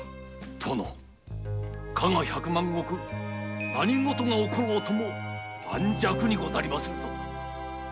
加賀百万石は何ごとが起ころうと盤石にござりまするぞ。